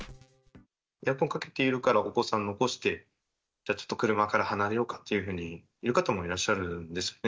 エアコンかけているからお子さん残して、じゃあ、ちょっと車から離れようかと言う方もいらっしゃるんですね。